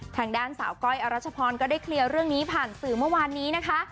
ทางด้านสาวก้อยอรัชพรก็ได้เคลียร์เรื่องนี้ผ่านสื่อเมื่อวานนี้นะคะ